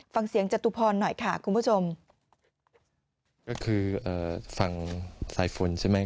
จตุพรหน่อยค่ะคุณผู้ชมก็คือเอ่อฝั่งสายฝนใช่ไหม